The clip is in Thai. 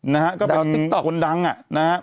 นะฮะก็เป็นคนดังอ่ะ